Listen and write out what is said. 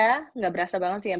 tidak berasa banget sih